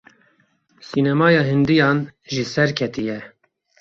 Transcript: Sînemaya Hindiyan jî serketî ye.